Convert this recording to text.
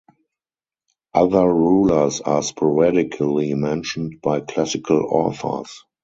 Other rulers are sporadically mentioned by classical authors.